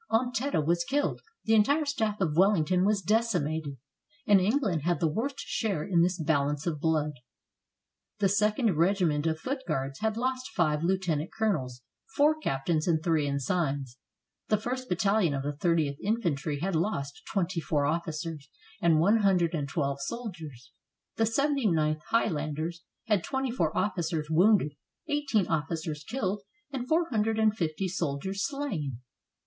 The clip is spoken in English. Ompteda was killed, the entire staff of Wellington was decimated, and Eng land had the worst share in this balance of blood. The 2d Regiment of foot guards had lost five lieutenant colonels, four captains and three ensigns; the first bat talion of the 30th Infantry had lost twenty four officers and one hundred and twelve soldiers; the 79th High landers had twenty four officers wounded, eighteen officers killed, and four hundred and fifty soldiers slain.